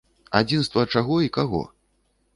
Адзінства чаго і каго?